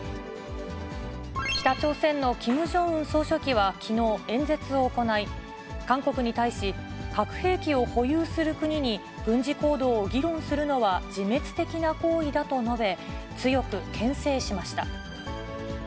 北朝鮮のキム・ジョンウン総書記はきのう、演説を行い、韓国に対し、核兵器を保有する国に、軍事行動を議論するのは自滅的な行為だと述べ、強くけん制しました。